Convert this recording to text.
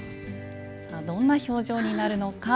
どんな表情になるのか。